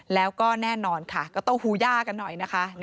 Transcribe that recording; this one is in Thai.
แล้วก็แน่นอนค่ะก็ต้องฮูย่ากันหน่อยนะคะ